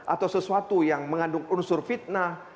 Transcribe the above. atau sesuatu yang mengandung unsur fitnah